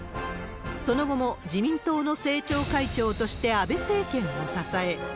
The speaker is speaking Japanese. その後も自民党の政調会長として安倍政権を支え。